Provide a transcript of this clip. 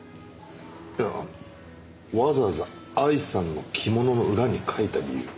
いやわざわざ愛さんの着物の裏に書いた理由。